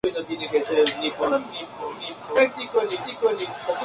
A y Lib.